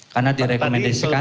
karena direkomendasikan tujuh belas